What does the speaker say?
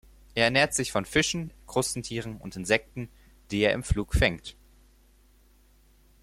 Er ernährt sich von Fischen, Krustentieren und Insekten, die er im Flug fängt.